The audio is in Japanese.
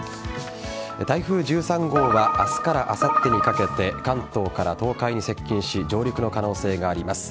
台風１３号は明日からあさってにかけて関東から東海に接近し上陸の可能性があります。